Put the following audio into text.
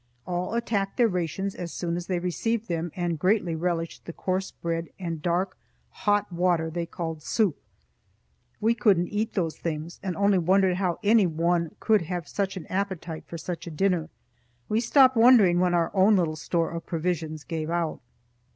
All attacked their rations as soon as they received them and greatly relished the coarse bread and dark, hot water they called soup. We couldn't eat those things and only wondered how any one could have such an appetite for such a dinner. We stopped wondering when our own little store of provisions gave out.